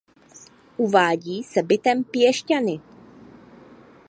Uvádí se bytem Piešťany.